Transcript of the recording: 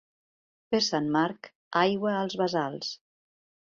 Per Sant Marc, aigua als bassals.